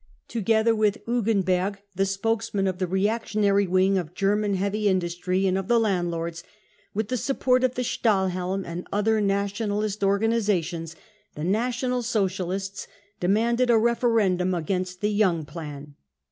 Together with Hugenberg. the spokesman of the reactionary wing of German heavy indus try and of the landlords, and with the support of the Stahl helm and other nationalist organisations, the National Socialist^ demanded a referendum against the Young Plan.